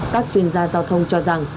các chuyên gia giao thông cho rằng